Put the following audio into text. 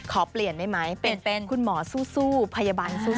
ขอเปลี่ยนไหมเป็นคุณหมอสู้พยาบาลสู้